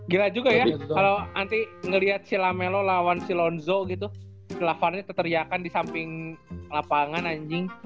gila juga ya kalau nanti ngeliat si lamelo lawan si lonzo gitu si lafar nya terteriakan di samping lapangan anjing